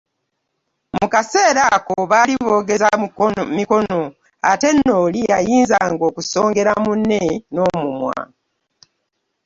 Mu kaseera ako baali boogeza mikono ate nno oli yayinzanga okusongera munne n'omumwa.